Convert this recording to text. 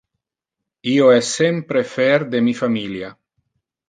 Io es sempre fer de mi familia.